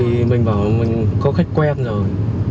thì mình bảo mình có khách quen rồi